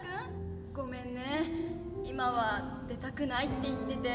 ごめんね今は出たくないって言ってて。